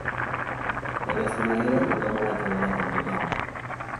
D'aquesta manera, tothom haurà treballat amb tothom.